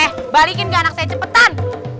eh balikin ke anak saya cepetan